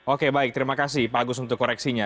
oke baik terima kasih pak agus untuk koreksinya